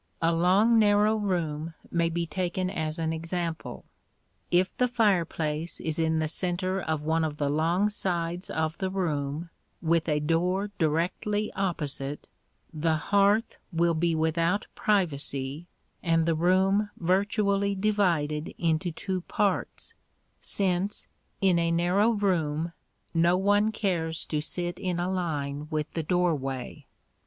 A long narrow room may be taken as an example. If the fireplace is in the centre of one of the long sides of the room, with a door directly opposite, the hearth will be without privacy and the room virtually divided into two parts, since, in a narrow room, no one cares to sit in a line with the doorway.